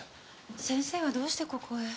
先生はどうしてここへ？